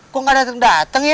kok gak dateng dateng ya